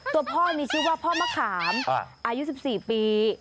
ตัวพ่อมีชื่อว่าพ่อมะขามอายุ๑๔ปี